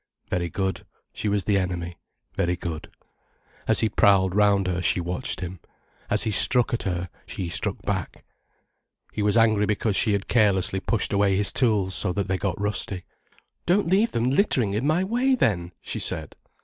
Very good, she was the enemy, very good. As he prowled round her, she watched him. As he struck at her, she struck back. He was angry because she had carelessly pushed away his tools so that they got rusty. "Don't leave them littering in my way, then," she said.